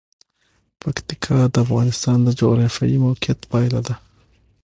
پکتیکا د افغانستان د جغرافیایي موقیعت پایله ده.